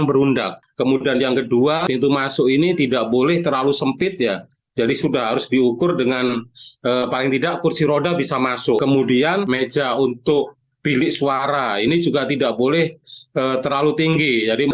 penyandang disabilitas hal ini harus menjadi perhatian